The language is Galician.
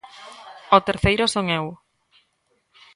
O terceiro son eu.